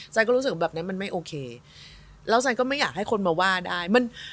รู้สึกแบบนั้นมันไม่โอเคแล้วฉันก็ไม่อยากให้คนมาว่าได้